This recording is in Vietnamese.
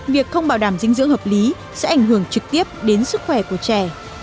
việc không bảo đảm dinh dưỡng hợp lý sẽ ảnh hưởng trực tiếp đến sức khỏe của trẻ